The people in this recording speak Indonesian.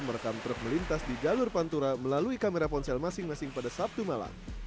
merekam truk melintas di jalur pantura melalui kamera ponsel masing masing pada sabtu malam